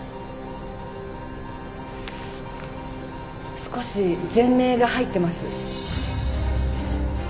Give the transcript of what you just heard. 少し喘鳴が入ってます